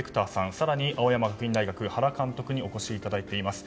更に、青山学院大学の原監督にお越しいただいています。